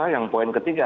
yang poin ketiga